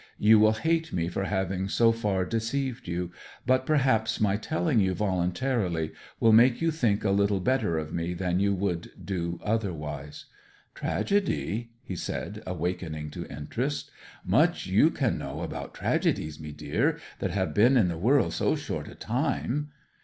You will hate me for having so far deceived you; but perhaps my telling you voluntarily will make you think a little better of me than you would do otherwise.' 'Tragedy?' he said, awakening to interest. 'Much you can know about tragedies, mee deer, that have been in the world so short a time!'